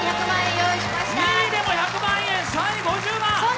２位でも１００万円、３位５０万。